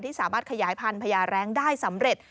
สามารถขยายพันธญาแร้งได้สำเร็จ